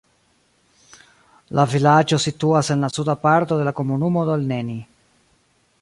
La vilaĝo situas en la suda parto de la komunumo Dolneni.